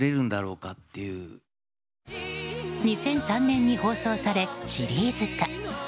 ２００３年に放送されシリーズ化。